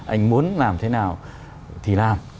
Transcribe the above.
anh muốn làm thế nào thì làm